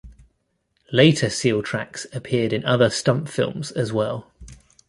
Later Seal tracks appeared in other Stump films as well.